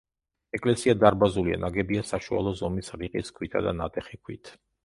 ეკლესია დარბაზულია, ნაგებია საშუალო ზომის რიყის ქვითა და ნატეხი ქვით.